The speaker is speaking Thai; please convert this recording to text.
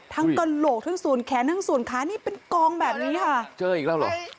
ทั้งกัวโหลกของสูญแขนและสูญค้านี่เป็นกองแบบนี้ค่ะเจออีกแล้วเหรอ